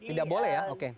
tidak boleh ya oke